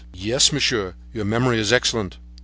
"Yes, monsieur, your memory is excellent."